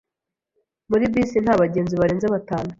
Muri bisi nta bagenzi barenze batanu.